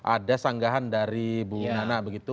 ada sanggahan dari bu nana begitu